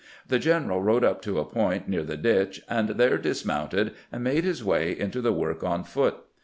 The general rode up to a point near the ditch, and there dismounted, and made his way into the work on foot.